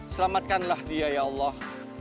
selamatkanlah dia ya allah